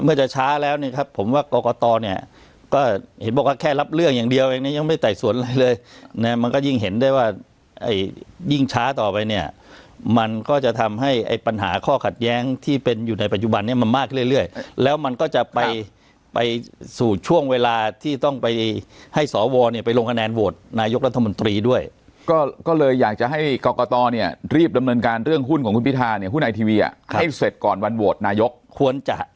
เมื่อจะช้าแล้วเนี่ยครับผมว่ากรกตรเนี่ยก็เห็นบอกว่าแค่รับเรื่องอย่างเดียวเองเนี่ยยังไม่แต่ส่วนอะไรเลยเนี่ยมันก็ยิ่งเห็นได้ว่ายิ่งช้าต่อไปเนี่ยมันก็จะทำให้ไอ้ปัญหาข้อขัดแย้งที่เป็นอยู่ในปัจจุบันนี้มันมากเรื่อยแล้วมันก็จะไปไปสู่ช่วงเวลาที่ต้องไปให้สอวรเนี่ยไปลงคะแนนโวทนายกรัฐมนตร